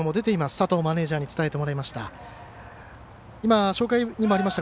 佐藤マネージャーに伝えてもらいました。